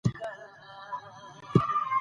مالیه